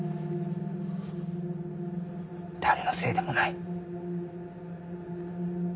誰のせいでもない。